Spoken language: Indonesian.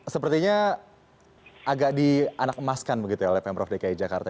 sepertinya agak dianak emaskan begitu ya oleh pemprov dki jakarta